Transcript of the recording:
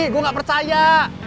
gue gak percaya